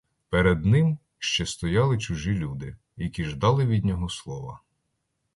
Перед ним ще стояли чужі люди, які ждали від нього слова.